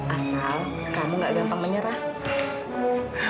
asal kamu gak gampang menyerah